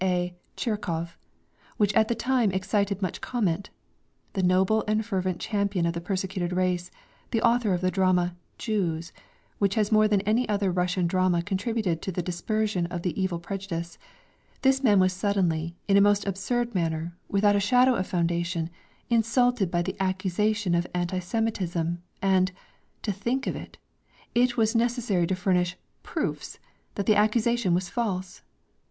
A. Chirikov, which at the time excited much comment: the noble and fervent champion of the persecuted race, the author of the drama "Jews," which has more than any other Russian drama contributed to the dispersion of the evil prejudice, this man was suddenly, in a most absurd manner, without a shadow of foundation, insulted by the accusation of anti Semitism; and to think of it! it was necessary to furnish proofs that the accusation was false.